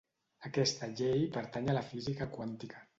Aquesta llei pertany a la física quàntica.